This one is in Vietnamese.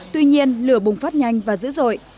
tuy nhiên lửa bùng phát nhanh và dữ dội